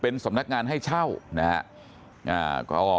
เป็นสำนักงานให้เช่านะครับ